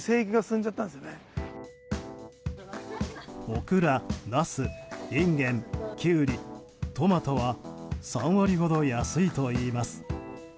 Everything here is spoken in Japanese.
オクラ、ナス、インゲンキュウリ、トマトは３割ほど安いといいます。